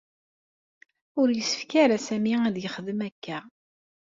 Ur yessefk ara Sami ad yexdem akka.